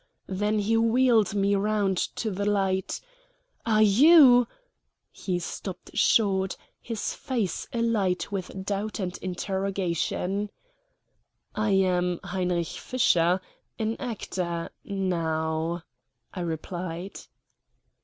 Then he wheeled me round to the light. "Are you ?" He stopped short, his face alight with doubt and interrogation. "I am Heinrich Fischer, an actor now," I replied.